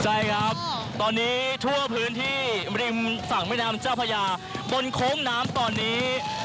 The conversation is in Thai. ใช่ครับตอนนี้ทั่วพื้นที่บริมศักดิ์มินามเจ้าพระยาบนคมน้ำตอนนี้